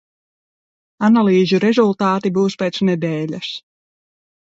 Analīžu rezultāti būs pēc nedēļas!